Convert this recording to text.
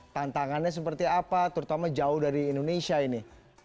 tantangannya seperti apa terutama jauh dari indonesia ini